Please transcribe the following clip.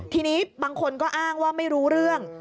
ทีนี้บางคนก็อ้างว่าไม่รู้เรื่อง